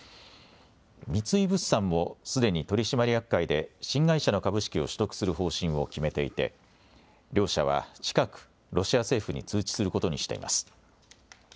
三井物産もすでに取締役会で新会社の株式を取得する方針を決めていて、両社は近く、ロシア政府に通知することにしています。